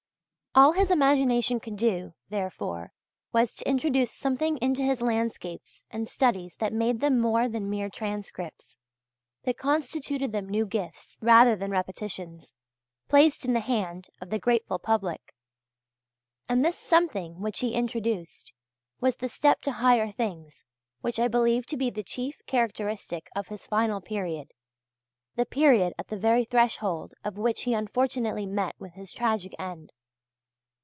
All his imagination could do, therefore, was to introduce something into his landscapes and studies that made them more than mere transcripts, that constituted them new gifts rather than repetitions, placed in the hand of the grateful public. And this "something" which he introduced, was the step to higher things, which I believe to be the chief characteristic of his final period the period at the very threshold of which he unfortunately met with his tragic end.